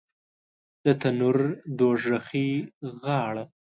د تنور دوږخي غاړه